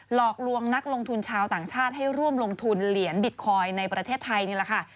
หลอกลวงนักลงทุนชาวต่างชาติให้ร่วมลงทุนเหรียญบิตคอยน์ในประเทศไทยนี่แหละค่ะ